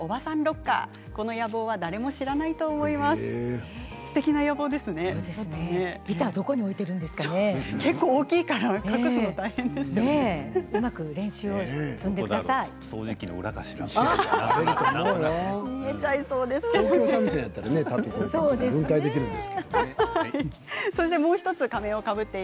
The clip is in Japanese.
うまく練習を積んでください。